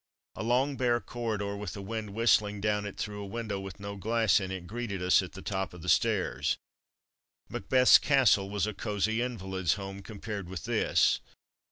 A long, bare corridor with the wind whistling down it through a window with no glass in it greeted us at the top of the stairs. Macbeth's castle was a cosy invalids' home compared with this.